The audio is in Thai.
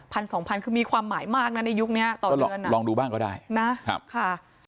พันสองพันคือมีความหมายมากนะในยุคนี้ต่อเดือนนะลองดูบ้างก็ได้นะค่ะ